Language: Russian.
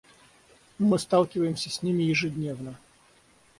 Мы сталкиваемся с ними ежедневно.